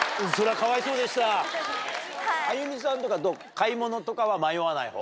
買い物とかは迷わないほう？